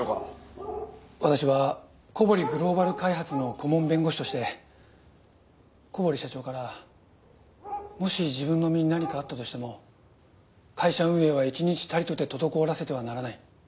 私は小堀グローバル開発の顧問弁護士として小堀社長から「もし自分の身に何かあったとしても会社運営は１日たりとて滞らせてはならない」。